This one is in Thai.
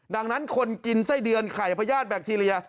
ดังนั้นคนกินไส้เดือนไข่พญาติแบคทีเรีย